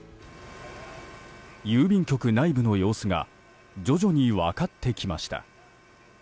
郵便局内部の様子が徐々に分かってきました。